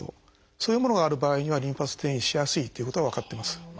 そういうものがある場合にはリンパ節転移しやすいということが分かってます。